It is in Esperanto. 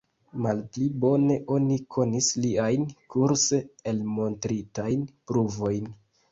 Malpli bone oni konis liajn kurse elmontritajn pruvojn.